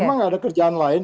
karena gak ada kerjaan lain